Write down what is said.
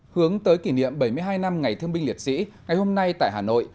hướng tới kỷ niệm bảy mươi hai năm ngày thương binh liệt sĩ ngày hôm nay tại hà nội